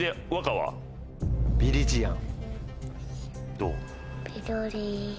どう？